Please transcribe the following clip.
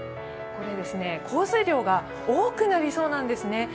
これ、降水量が多くなりそうなんですね。